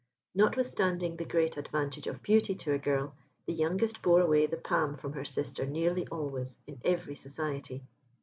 Notwithstanding the great advantage of beauty to a girl, the youngest bore away the palm from her sister nearly always, in every society.